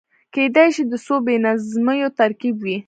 کېدای شي د څو بې نظمیو ترکيب وي.